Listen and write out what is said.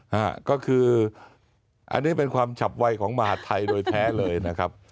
ฮะก็คืออันนี้เป็นความฉับไวของมหาดไทยโดยแท้เลยนะครับ